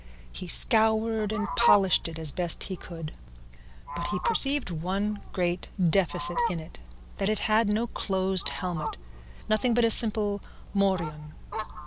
He scoured and polished it as best he could, but he perceived one great defect in it, that it had no closed helmet, nothing but a simple morion.